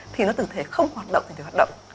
thì nó tự thể không hoạt động tự thể hoạt động